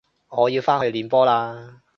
我要返去練波喇